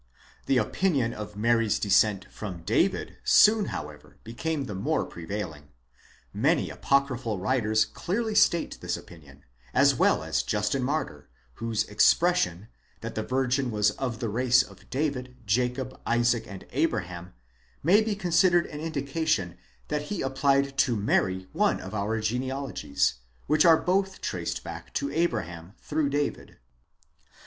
® The opinion of Mary's descent from David, soon however became the more prevailing. Many apocryphal writers clearly state this opinion,' as well as Justin Martyr, whose expression, that the virgin was of the race of David, Jacob, Isaac, and Abraham, may be considered an indication that he applied to Mary one of our genealogies, which are both traced back to Abra ham through David.!